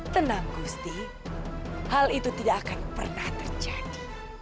tenang gusti hal itu tidak akan pernah terjadi